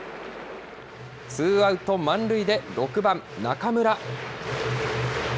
ツーアウト満塁で６番中村。